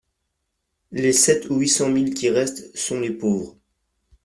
Les sept ou huit cent mille qui restent sont les pauvres.